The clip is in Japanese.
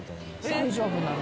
大丈夫なの？